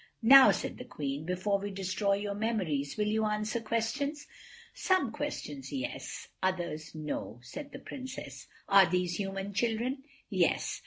"Now," said the Queen, "before we destroy your memories, will you answer questions?" "Some questions, yes—others, no," said the Princess. "Are these human children?" "Yes."